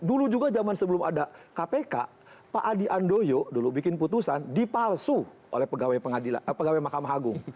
dulu juga zaman sebelum ada kpk pak adi andoyo dulu bikin putusan dipalsu oleh pegawai mahkamah agung